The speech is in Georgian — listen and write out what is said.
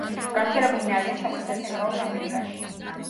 გავრცელებულნი არიან სამხრეთ და ცენტრალურ ამერიკაში.